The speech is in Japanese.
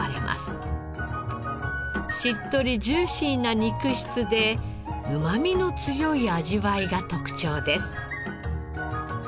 しっとりジューシーな肉質でうまみの強い味わいが特長です。